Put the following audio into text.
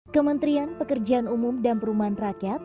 kementerian pekerjaan umum dan perumahan rakyat